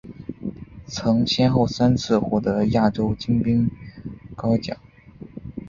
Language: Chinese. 曾先后三次获得亚洲金冰镐奖。